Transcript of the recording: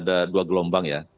ada dua gelombang ya